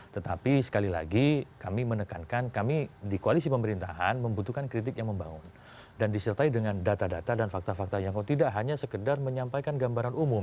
tetapi sekali lagi kami menekankan kami di koalisi pemerintahan membutuhkan kritik yang membangun dan disertai dengan data data dan fakta fakta yang tidak hanya sekedar menyampaikan gambaran umum